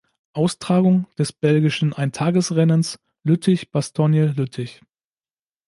Austragung des belgischen Eintagesrennens Lüttich–Bastogne–Lüttich.